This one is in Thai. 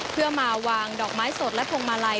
เพื่อมาวางดอกไม้สดและพวงมาลัย